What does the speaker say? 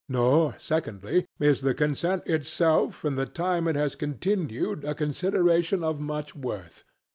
Nor, secondly, is the consent itself and the time it has continued a consideration of much worth.